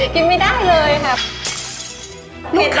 กินไม่ได้เลยครับ